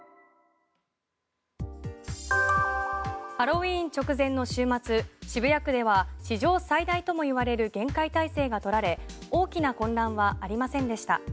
ハロウィーン直前の週末渋谷区では史上最大ともいわれる厳戒態勢が取られ大きな混乱はありませんでした。